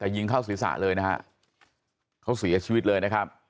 แต่ยิงเข้าศีรษะเลยนะฮะเขาเสียชีวิตเลยนะครับ